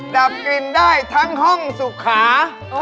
ดับกลิ่นได้ทั้งห้องสุขา